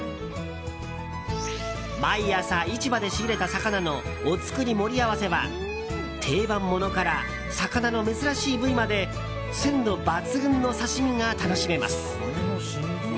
毎朝、市場で仕入れた魚のおつくり盛り合わせは定番ものから魚の珍しい部位まで鮮度抜群の刺し身が楽しめます。